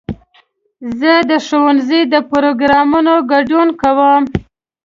زه د ښوونځي د پروګرامونو ګډون کوم.